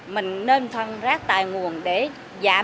mình nên phân rác tại nguồn để giảm